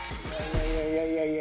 いやいやいやいや。